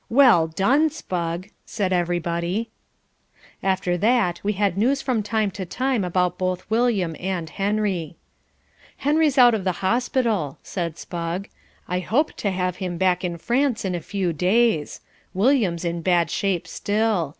"Well done, Spugg," said everybody. After that we had news from time to time about both William and Henry. "Henry's out of the hospital," said Spugg. "I hope to have him back in France in a few days. William's in bad shape still.